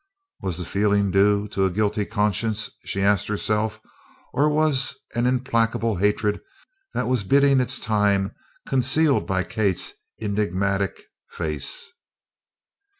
Was the feeling due to a guilty conscience, she asked herself, or was an implacable hatred that was biding its time, concealed by Kate's enigmatic face?